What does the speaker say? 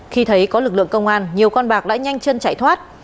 khi thấy có lực lượng công an nhiều con bạc đã nhanh chân chạy thoát